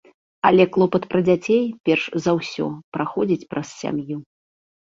Але клопат пра дзяцей, перш за ўсё, праходзіць праз сям'ю.